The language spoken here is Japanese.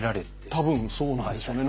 多分そうなんですよね。